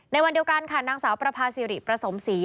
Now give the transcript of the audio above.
วันเดียวกันค่ะนางสาวประพาสิริประสมศรี